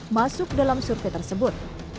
masuk dalam survei tersebut